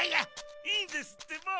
・いいんですってば。